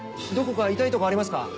どこか痛いとこありますか？